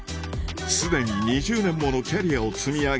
すでに２０年ものキャリアを積み上げ